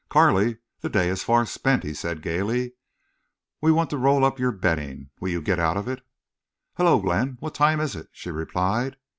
"Carley, the day is far spent," he said, gayly. "We want to roll up your bedding. Will you get out of it?" "Hello, Glenn! What time is it?" she replied.